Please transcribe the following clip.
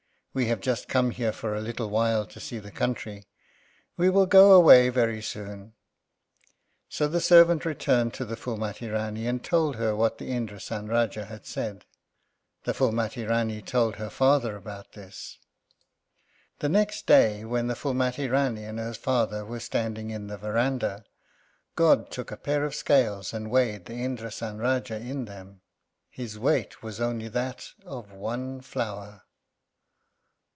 We have just come here for a little while to see the country. We will go away very soon." So the servants returned to the Phúlmati Rání and told her what the Indrásan Rájá had said. The Phúlmati Rání told her father about this. The next day, when the Phúlmati Rání and her father were standing in the verandah, God took a pair of scales and weighed the Indrásan Rájá in them. His weight was only that of one flower!